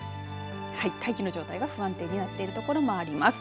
大気の状態が不安定になっているところもあります。